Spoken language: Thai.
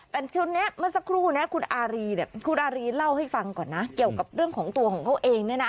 แต่ตอนนี้เมื่อสักครู่คุณอารีเล่าให้ฟังก่อนนะเกี่ยวกับเรื่องของตัวของเขาเองนะ